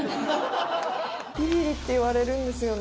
びびりって言われるんですよね。